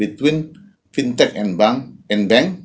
antara fintech dan bank